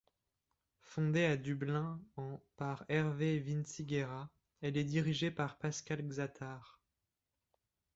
Fondée à Dublin en par Hervé Vinciguerra, elle est dirigée par Pascal Xatart.